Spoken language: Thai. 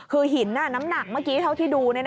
คือหินน้ำหนักเมื่อกี้เท่าที่ดู